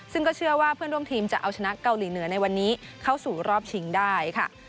ซึ่งก็เชื่อว่าเพื่อนร่วมทีมจะเอาชนะเกาหลีเหนือในวันนี้เข้าสู่รอบชิงได้ค่ะ